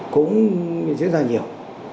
cũng diễn ra nhiều